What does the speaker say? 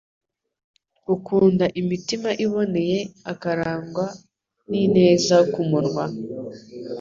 Ukunda imitima iboneye akarangwa n’ineza ku munwa